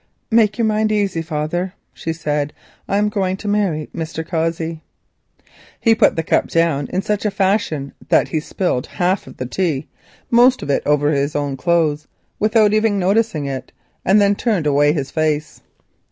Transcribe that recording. "Make your mind easy, father," she said, "I am going to marry Mr. Cossey." He put the cup down in such a fashion that he spilt half the tea, most of it over his own clothes, without even noticing it, and then turned away his face.